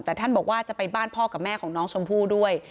แต่ท่านบอกว่าจะไปบ้านพ่อกับแม่ของน้องชมพู่ด้วย